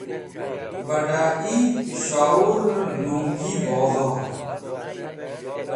Bad̃ai Peshowure Nungi Bozor